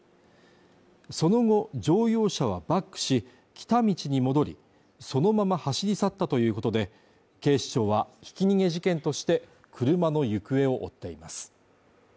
その後乗用車はバックし来た道に戻りそのまま走り去ったということで警視庁はひき逃げ事件として車の行方を追っています